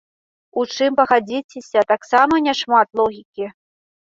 У чым, пагадзіцеся, таксама не шмат логікі.